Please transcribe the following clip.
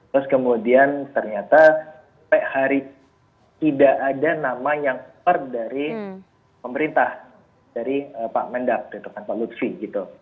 terus kemudian ternyata sampai hari tidak ada nama yang per dari pemerintah dari pak mendap pak lutfi gitu